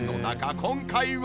今回は。